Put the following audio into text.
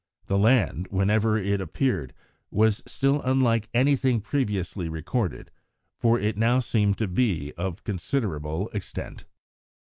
The land, whenever it appeared, was still unlike anything previously recorded, for it now seemed to be of considerable extent.